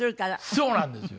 そうなんですよ！